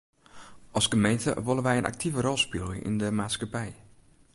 As gemeente wolle wy in aktive rol spylje yn de maatskippij.